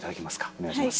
お願いします。